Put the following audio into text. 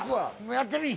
やってみい！